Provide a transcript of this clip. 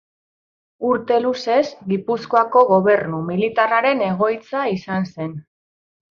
Urte luzez Gipuzkoako Gobernu Militarraren egoitza izan zen.